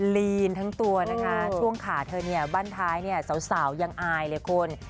ลีนทั้งตัวนะคะช่วงขาเธอบ้านท้ายสาวยังอายเลยครับคน